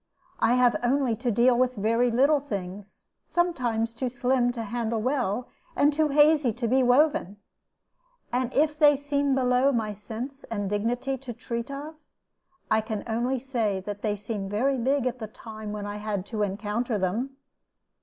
I have only to deal with very little things, sometimes too slim to handle well, and too hazy to be woven; and if they seem below my sense and dignity to treat of, I can only say that they seemed very big at the time when I had to encounter them.